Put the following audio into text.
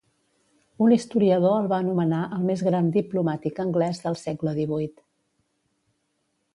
Un historiador el va anomenar el més gran diplomàtic anglès del segle XVIII.